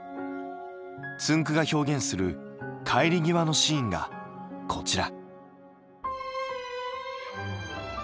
つんく♂が表現する帰り際のシーンがこちら。